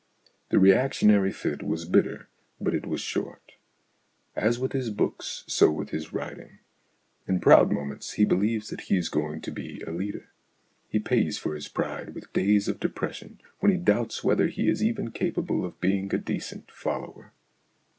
The reactionary fit was bitter, but it was short. As with his books so with his writ ing. In proud moments he believes that he is going to be a leader; he pays for his pride with 50 STORIES IN GREY days of depression when he doubts whether he is even capable of being a decent follower.